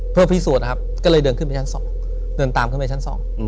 เพื่อพิสูจน์นะครับก็เลยเดินขึ้นไปชั้น๒เดินตามขึ้นไปชั้น๒